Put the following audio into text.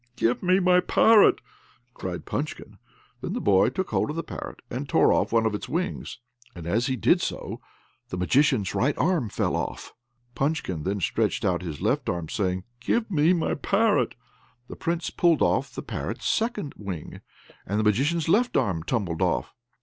"Give me my parrot!" cried Punchkin. Then the boy took hold of the parrot, and tore off one of its wings; and as he did so the Magician's right arm fell off. Punchkin then stretched out his left arm, crying, "Give me my parrot!" The Prince pulled off the parrot's second wing, and the Magician's left arm tumbled off.